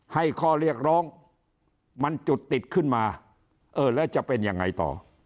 ให้ข้อเรียกร้องมันจุดติดขึ้นมาเออแล้วจะเป็นยังไงต่อ